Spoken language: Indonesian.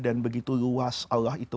dan begitu luas allah itu